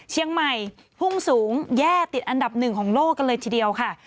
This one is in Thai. เชียงใหม่พุ่งสูงแย่ติดอันดับหนึ่งของโลกกันเลยทีเดียวค่ะ